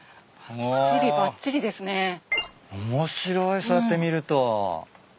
面白いそうやって見ると。